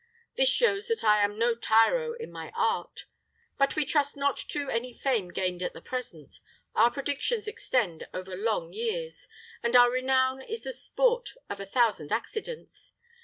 This shows that I am no tyro in my art. But we trust not to any fame gained at the present. Our predictions extend over long years, and our renown is the sport of a thousand accidents.